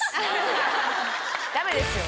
ダメですよ！